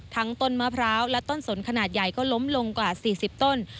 ต้นมะพร้าวและต้นสนขนาดใหญ่ก็ล้มลงกว่า๔๐ต้น